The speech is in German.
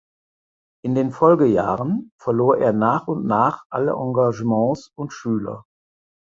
In den Folgejahren verlor er nach und nach alle Engagements und Schüler.